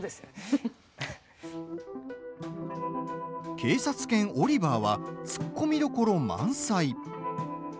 警察犬オリバーはツッコミどころ満載。